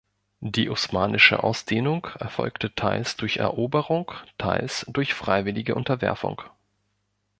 Die osmanische Ausdehnung erfolgte teils durch Eroberung, teils durch freiwillige Unterwerfung.